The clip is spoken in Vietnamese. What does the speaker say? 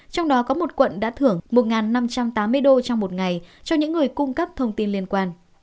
trong đó có một quận đã thưởng một năm trăm tám mươi đô trong một ngày cho những người cung cấp thông tin liên quan